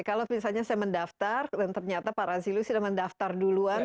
kalau misalnya saya mendaftar dan ternyata pak razilu sudah mendaftar duluan